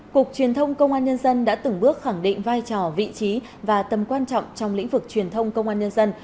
cục truyền thông công an nhân dân đã từng bước khẳng định vai trò vị trí và tầm quan trọng trong lĩnh vực truyền thông công an nhân dân